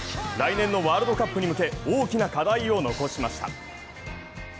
来年のワールドカップに向け大きな課題を残しました。